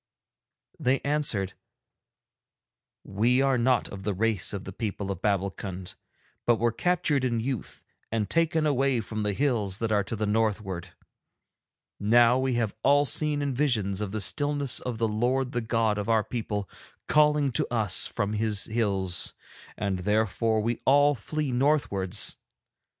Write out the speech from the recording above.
They answered: 'We are not of the race of the people of Babbulkund, but were captured in youth and taken away from the hills that are to the northward. Now we have all seen in visions of the stillness the Lord the God of our people calling to us from His hills, and therefore we all flee northwards.